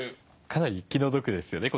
かなり気の毒ですよね